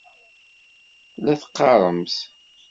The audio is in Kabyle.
La teqqaṛemt.